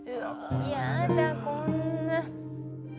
やだこんな。